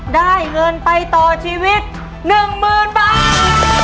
ได้เงินไปต่อชีวิตหนึ่งหมื่นบาท